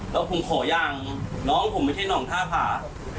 แล้วผมขอยังน้องผมไม่ใช่หนองท่าผา